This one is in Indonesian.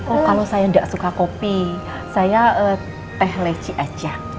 oh kalau saya tidak suka kopi saya teh leci aja